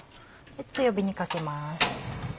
強火にかけます。